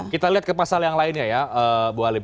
kita lihat ke pasal yang lainnya ya bu halim